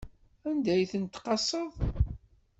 Anda i ten-tqaseḍ?